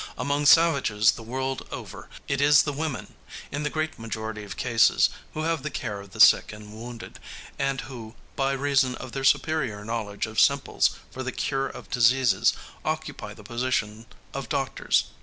Among savages the world over it is the women, in the great majority of cases, who have the care of the sick and wounded, and who, by reason of their superior knowledge of simples for the cure of diseases, occupy the position of doctors.